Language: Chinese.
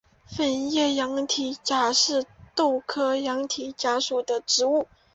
粉叶羊蹄甲是豆科羊蹄甲属的植物。